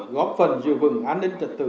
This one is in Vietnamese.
góp phần dự vừng an ninh trật tự